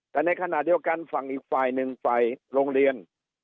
แต่ในขณะเดียวกันฝั่งอีกฝ่ายหนึ่งฝ่ายโรงเรียน